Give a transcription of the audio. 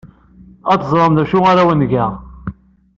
Ad teẓrem d acu ara awen-geɣ.